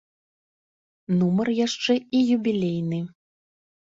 Нумар яшчэ і юбілейны.